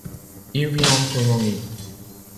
Il vit en colonies.